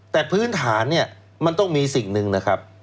แต่พื้นฐานเนี่ยมันต้องมีสิ่งหนึ่งนะครับ